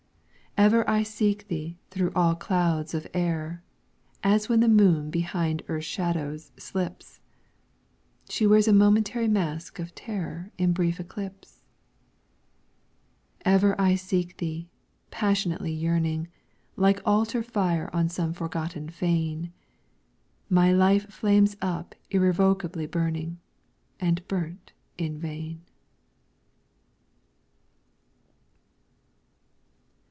Ever I seek Thee through all clouds of error; As when the moon behind earth's shadow slips, She wears a momentary mask of terror In brief eclipse. Ever I seek Thee, passionately yearning; Like altar fire on some forgotten fane, My life flames up irrevocably burning, And burnt in vain.